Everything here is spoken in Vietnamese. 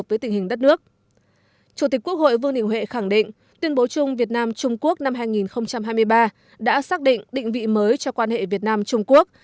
và khẳng định tuyên bố chung việt nam trung quốc năm hai nghìn hai mươi ba đã xác định định vị mới cho quan hệ việt nam trung quốc